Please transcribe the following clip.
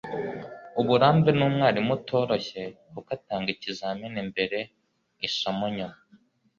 Uburambe ni umwarimu utoroshye kuko atanga ikizamini mbere, isomo nyuma.”